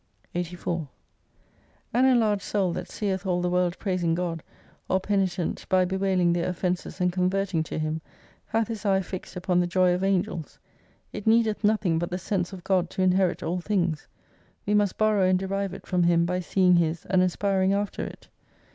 84 An enlarged soul that seeth all the world praising God, or penitent by bewailing their offences and con verting to Him, hath his eye fixed upon the joy of Angels. It needeth nothing but the sense of God to inherit all things. We must borrow and derive it from Him by seeing His, and aspiring after it.